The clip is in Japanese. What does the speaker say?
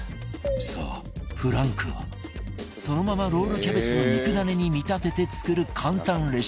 そうフランクをそのままロールキャベツの肉ダネに見立てて作る簡単レシピ